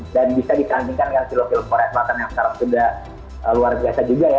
bisa ditandingkan dengan film film korea selatan yang sekarang sudah luar biasa juga ya